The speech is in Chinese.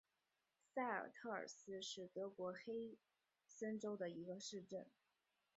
塞尔特尔斯是德国黑森州的一个市镇。